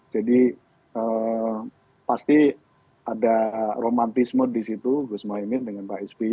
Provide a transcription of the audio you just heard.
jadi pasti ada romantisme di situ gus mohaimin dengan pak sby